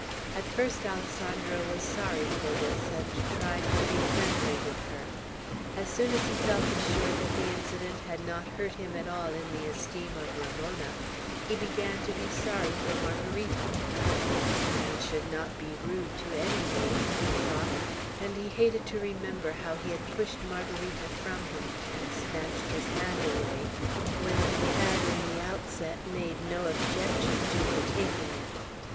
At first Alessandro was sorry for this, and tried to be friendly with her. As soon as he felt assured that the incident had not hurt him at all in the esteem of Ramona, he began to be sorry for Margarita. "A man should not be rude to any maiden," he thought; and he hated to remember how he had pushed Margarita from him, and snatched his hand away, when he had in the outset made no objection to her taking it.